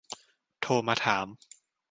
โทรมาถาม